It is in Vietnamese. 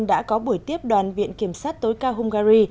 đã có buổi tiếp đoàn viện kiểm sát tối cao hungary